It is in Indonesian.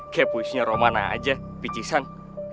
kayak puisnya roman aja pici san